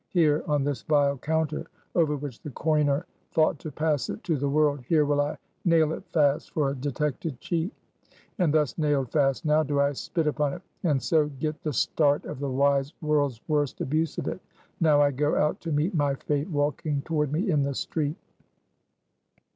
Here, on this vile counter, over which the coiner thought to pass it to the world, here will I nail it fast, for a detected cheat! And thus nailed fast now, do I spit upon it, and so get the start of the wise world's worst abuse of it! Now I go out to meet my fate, walking toward me in the street."